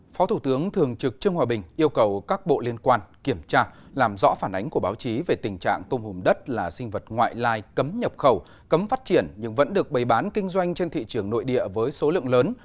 phó thủ tướng thường trực trương hòa bình yêu cầu các bộ liên quan kiểm tra làm rõ phản ánh của báo chí về tình trạng tôm hùm đất là sinh vật ngoại lai cấm nhập khẩu cấm phát triển nhưng vẫn được bày bán kinh doanh trên thị trường nội địa với số lượng lớn